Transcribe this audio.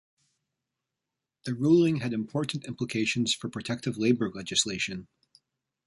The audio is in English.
The ruling had important implications for protective labor legislation.